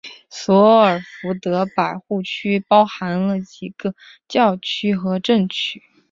索尔福德百户区包含了几个教区和镇区。